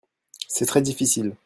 C'est très difficile.